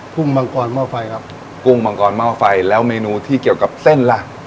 ุ้งมังกรหม้อไฟครับกุ้งมังกรหม้อไฟแล้วเมนูที่เกี่ยวกับเส้นล่ะ